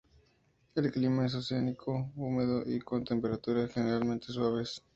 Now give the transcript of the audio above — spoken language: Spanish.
El clima es oceánico, húmedo y con temperaturas generalmente suaves.